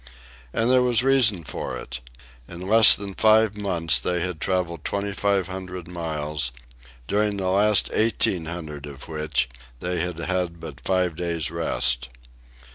And there was reason for it. In less than five months they had travelled twenty five hundred miles, during the last eighteen hundred of which they had had but five days' rest.